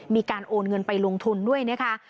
มีการโอนเงินไปลงทุนด้วยนะคะ